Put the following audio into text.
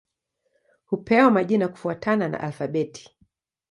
Hupewa majina kufuatana na alfabeti.